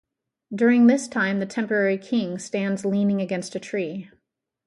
During this time the temporary king stands leaning against a tree.